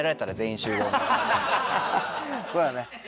そうだね。